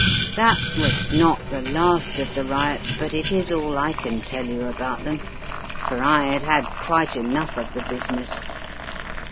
"That was not the last of the riots, but it is all I can tell you about them, for I had had quite enough of the business.